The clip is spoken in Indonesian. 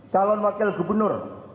talon wakil gubernur